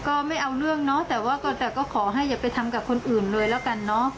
ก็ไม่เอาเรื่องแต่ก็ขอให้อย่าไปทำกับคนอื่นเลยแล้วกัน